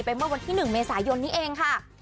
เมื่อวันที่๑เมษายนนี้เองค่ะ